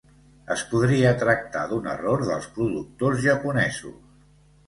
Es podria tractar d'un error dels productors japonesos.